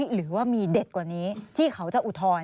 หรือว่ามีเด็ดกว่านี้ที่เขาจะอุทธรณ์